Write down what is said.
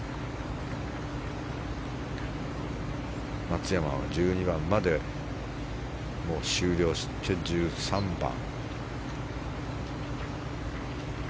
松山は１２番まで終了して１３番。